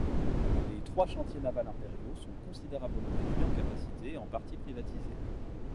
Les trois chantiers navals impériaux sont considérablement réduits en capacité et en partie privatisée.